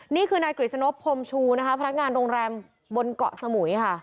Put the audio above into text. นี่คือนายกฤษนพพรมชูนะคะพนักงานโรงแรมบนเกาะสมุยค่ะ